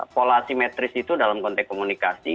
pola asimetris itu dalam konteks komunikasi